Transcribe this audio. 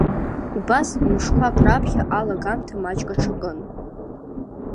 Убас, мышқәак раԥхьа алагамҭа маҷк аҽакын…